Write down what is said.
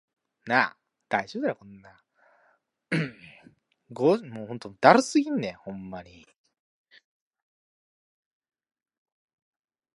Butts was immediately used as a starter, for the Chargers.